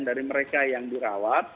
dari mereka yang dirawat